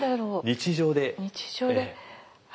日常で？